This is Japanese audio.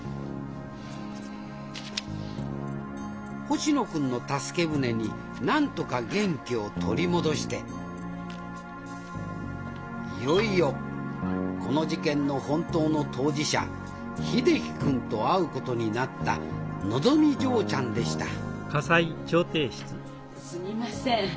星野君の助け船になんとか元気を取り戻していよいよこの事件の本当の当事者秀樹君と会うことになったのぞみ嬢ちゃんでしたすみません。